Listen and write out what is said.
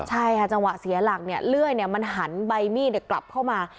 ใช่ค่ะจังหวะเสียหลักเนี่ยเลื่อยมันหันใบมีดกลับเข้ามา